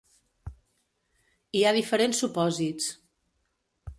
Hi ha diferents supòsits.